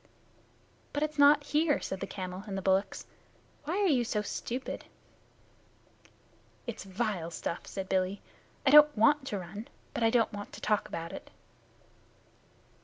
"But it is not here," said the camel and the bullocks. "Why are you so stupid?" "It's vile stuff," said Billy. "I don't want to run, but I don't want to talk about it."